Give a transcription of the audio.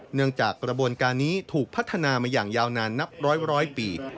เนื่องจากกระบวนการนี้ถูกพัฒนามาอย่างยาวนานนับร้อยปี